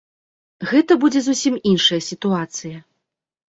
Гэта будзе зусім іншая сітуацыя.